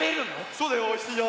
そうだよおいしいよ！